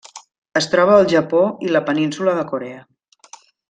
Es troba al Japó i la Península de Corea.